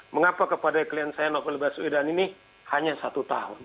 mengapa kepada klien saya novel baswedan ini hanya satu tahun